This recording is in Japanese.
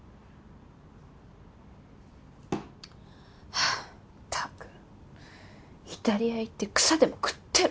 はぁったくイタリア行って草でも食ってろ！